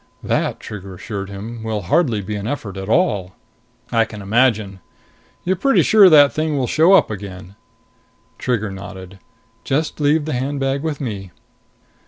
"That," Trigger assured him, "will be hardly an effort at all!" "I can imagine. You're pretty sure that thing will show up again?" Trigger nodded. "Just leave the handbag with me."